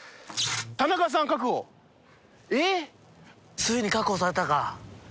ついに確保されたか。